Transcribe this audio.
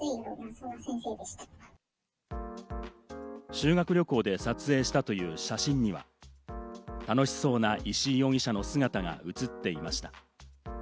修学旅行で撮影したという写真には楽しそうな石井容疑者の姿が写っていました。